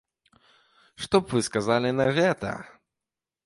Што б вы сказалі на гэта?